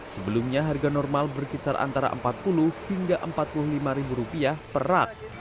sebelumnya harga normal berkisar antara rp empat puluh hingga rp empat puluh lima per rak